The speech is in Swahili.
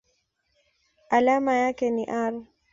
Alama yake ni Ar.